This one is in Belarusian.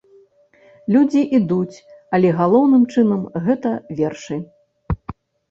Людзі ідуць, але галоўным чынам, гэта вершы.